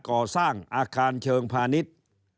ก่อสร้างอาคารเชิงพาณิชย์